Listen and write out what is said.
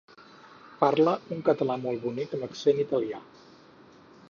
Parla un català molt bonic amb accent italià.